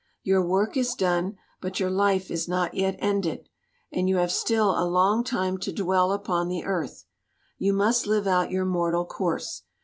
Your work is done, but your life is not yet ended, and you have still a long time to dwell upon the earth. You must live out your mortal course.